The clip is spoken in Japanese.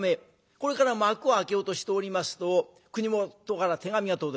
これから幕を開けようとしておりますと国元から手紙が届いた。